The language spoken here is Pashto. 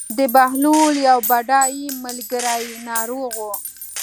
د بهلول یو بډای ملګری ناروغ و.